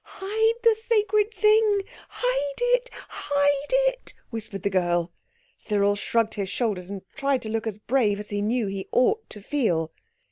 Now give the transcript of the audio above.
"Hide the sacred thing! Hide it! Hide it!" whispered the girl. Cyril shrugged his shoulders, and tried to look as brave as he knew he ought to feel.